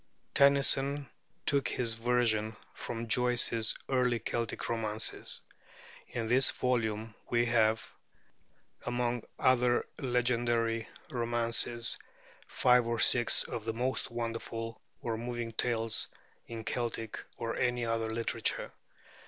Tennyson took his version from Joyce's 'Early Celtic Romances'. In this volume we have, among other legendary romances, five or six of the most wonderful or moving tales in Celtic or any other literature.